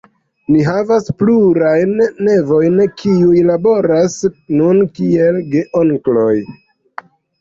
Ni havas plurajn nevojn, kiuj laboras nun kiel geonkloj.